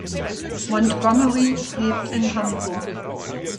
Montgomery lebt in Hamburg.